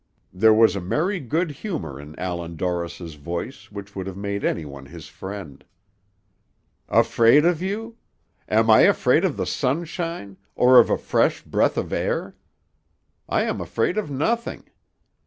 There was a merry good humor in Allan Dorris's voice which would have made anyone his friend. "Afraid of you! Am I afraid of the sunshine, or of a fresh breath of air! I am afraid of nothing.